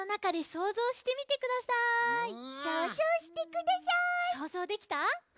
そうぞうできた？